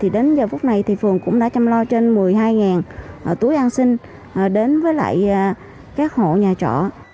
đến giờ phút này phường cũng đã chăm lo trên một mươi hai túi an sinh đến với các hộ nhà trọ